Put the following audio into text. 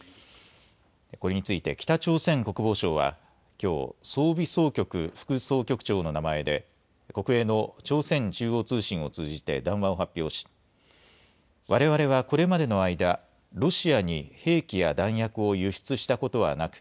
これについて北朝鮮国防省はきょう装備総局副総局長の名前で国営の朝鮮中央通信を通じて談話を発表しわれわれはこれまでの間、ロシアに兵器や弾薬を輸出したことはなく